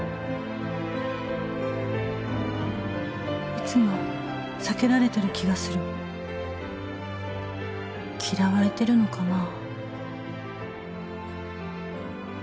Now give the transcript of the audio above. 「いつも避けられてる気がする」「嫌われてるのかなぁ」